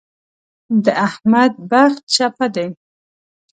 د احمد بخت چپه دی.